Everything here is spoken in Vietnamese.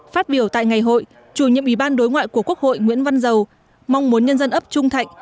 phát biểu tại ngày hội chủ nhiệm ủy ban đối ngoại của quốc hội nguyễn văn giàu mong muốn nhân dân ấp trung thạnh